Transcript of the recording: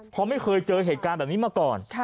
เพราะไม่เคยเจอเหตุการณ์แบบนี้มาก่อน